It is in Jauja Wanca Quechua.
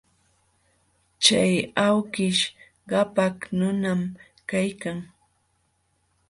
Chay awkish qapaq nunam kaykan.